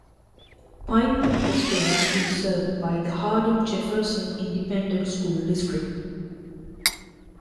Pinewood Estates is served by the Hardin-Jefferson Independent School District.